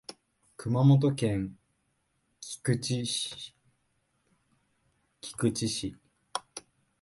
熊本県菊池市